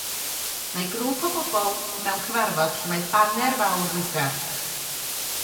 Mae grŵp o bobl mewn cyfarfod lle mae baner fawr liwgar